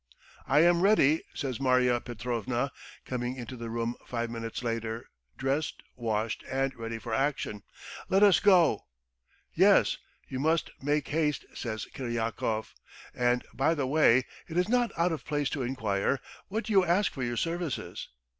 "I am ready," says Marya Petrovna, coming into the room five minutes later, dressed, washed, and ready for action. "Let us go." "Yes, you must make haste," says Kiryakov. "And, by the way, it is not out of place to enquire what do you ask for your services?"